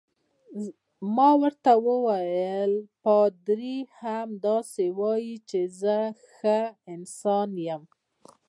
ما ورته وویل: پادري هم همداسې وایي چې زه ښه انسان یم.